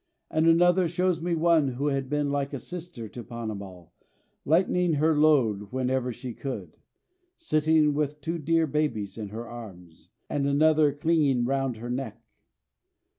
And another shows me one who had been like a sister to Ponnamal, lightening her load whenever she could; sitting with two dear babies in her arms, and another clinging round her neck.